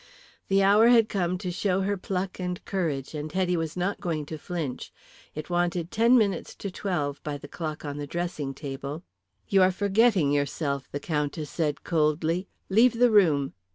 The hour had come to show her pluck and courage, and Hetty was not going to flinch. It wanted ten minutes to twelve by the clock on the dressing table. "You are forgetting yourself," the Countess said coldly. "Leave the room."